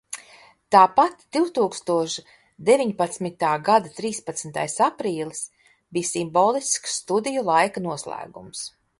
Tāpat divtūkstoš deviņpadsmitā gada trīspadsmitais aprīlis bija simbolisks studiju laika noslēgums.